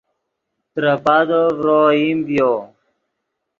ترے پادو ڤرو اوئیم ڤیو